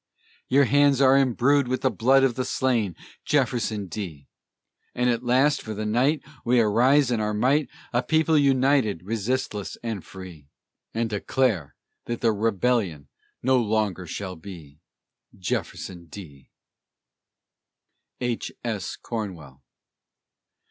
Your hands are imbrued with the blood of the slain, Jefferson D.! And at last, for the right, We arise in our might, A people united, resistless, and free, And declare that rebellion no longer shall be! Jefferson D.! H. S. CORNWELL.